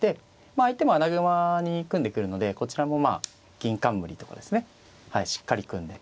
まあ相手も穴熊に組んでくるのでこちらもまあ銀冠とかですねはいしっかり組んで。